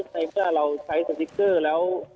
ในเมื่อเราใช้สติ๊กเกอร์แล้ว